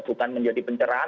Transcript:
bukan menjadi pencerahan